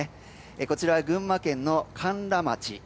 こちら群馬県の甘楽町。